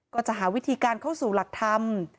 ก็จะหาวิธีการเข้าสู่หลักธรรม